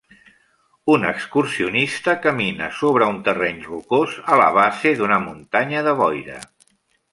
Un excursionista camina sobre un terreny rocós a la base d'una muntanya de boira.